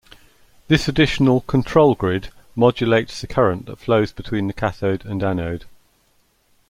This additional "control grid" modulates the current that flows between cathode and anode.